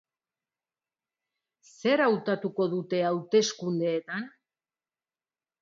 Zer hautatuko dute hauteskundeetan?